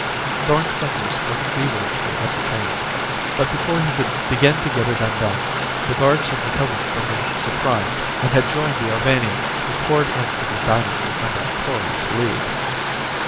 Thorn's fingers worked feverishly at the chain. But before he could begin to get it undone, the guards had recovered from their surprise and had joined the Arvanians who poured in from the dining room under Kori's lead.